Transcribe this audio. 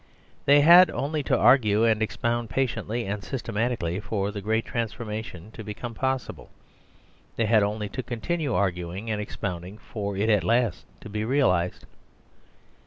They had only to argue and expound patiently and systematically for the great transformation to become possible. They had only to continue arguing and ex pounding for it at last to be realised.